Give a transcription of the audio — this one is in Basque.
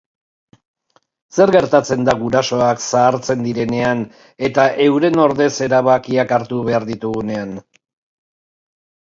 Zer gertatzen da gurasoak zahartzen direnean eta euren ordez erabakiak hartu behar ditugunean?